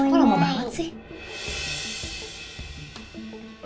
kok lama banget sih